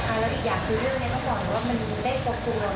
และอีกอย่างคือเรื่องนี้ต้องบอกว่ามันไม่ได้ครบทุกรถ